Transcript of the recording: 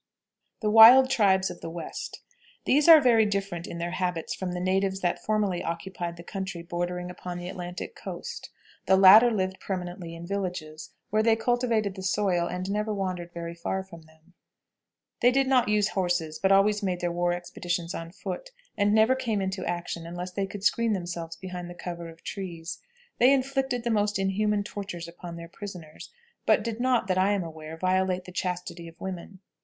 THE WILD TRIBES OF THE WEST. These are very different in their habits from the natives that formerly occupied the country bordering upon the Atlantic coast. The latter lived permanently in villages, where they cultivated the soil, and never wandered very far from them. They did not use horses, but always made their war expeditions on foot, and never came into action unless they could screen themselves behind the cover of trees. They inflicted the most inhuman tortures upon their prisoners, but did not, that I am aware, violate the chastity of women.